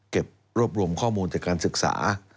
รวบรวมข้อมูลจากการศึกษา